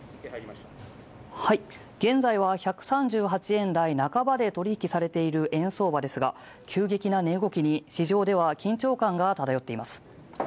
現在は１３８円台半ばで取引されている円相場ですが急激な値動きに市場では緊張感が漂っています。